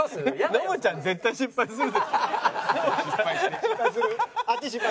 ノブちゃん絶対失敗するでしょ。